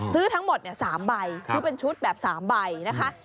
ซื้อทั้งหมด๓ใบซื้อเป็นชุดแบบ๓ใบนะคะ